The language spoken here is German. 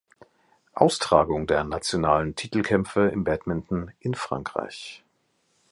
Austragung der nationalen Titelkämpfe im Badminton in Frankreich.